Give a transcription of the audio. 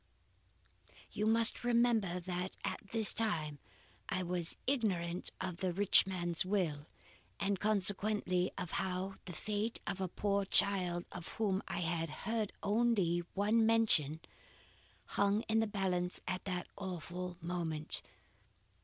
"You must remember that at this time I was ignorant of the rich man's will, and consequently of how the fate of a poor child of whom I had heard only one mention, hung in the balance at that awful moment.